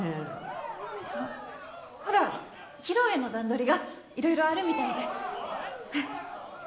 あっほら披露宴の段取りがいろいろあるみたいで。